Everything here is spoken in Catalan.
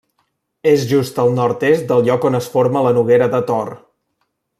És just al nord-est del lloc on es forma la Noguera de Tor.